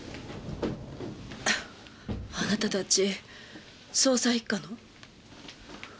あなたたち捜査一課の？